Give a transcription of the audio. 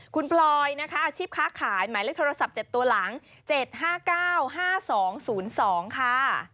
คุณพลอยนะคะอาชีพค้าขายหมายเลขโทรศัพท์๗ตัวหลัง๗๕๙๕๒๐๒ค่ะ